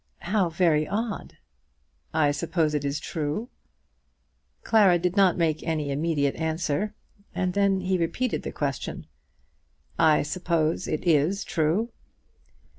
"How very odd." "I suppose it is true?" Clara did not make any immediate answer, and then he repeated the question. "I suppose it is true?"